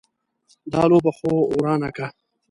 دا لوبه خو ورانه که.